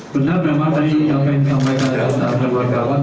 benar benar tadi pak aspi sampaikan kepada keluarga